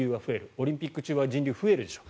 オリンピック中は人流、増えるでしょう。